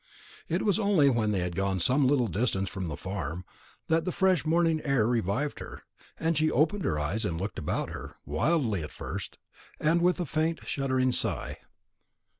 It was only when they had gone some little distance from the farm, that the fresh morning air revived her, and she opened her eyes and looked about her, wildly at first, and with a faint shuddering sigh.